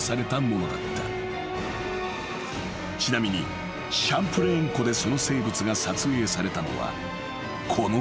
［ちなみにシャンプレーン湖でその生物が撮影されたのはこの辺り］